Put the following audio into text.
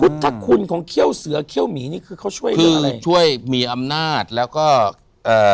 พุทธคุณของเขี้ยวเสือเขี้ยวหมีนี่คือเขาช่วยเหลืออะไรช่วยมีอำนาจแล้วก็เอ่อ